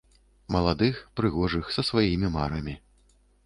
Маладых, прыгожых, са сваімі марамі.